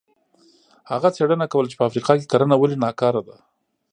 هغه څېړنه کوله چې په افریقا کې کرنه ولې ناکاره ده.